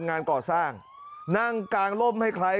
งานก่อสร้างนั่งกางรมให้ใคร